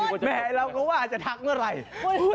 แม่เราก็ว่าจะทักเมื่อไหร่